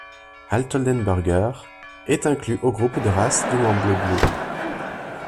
Alt-Oldenburger est inclus au groupe de races du warmblood lourd.